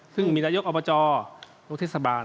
ซึ่งมีนายกอบจลูกเทศบาล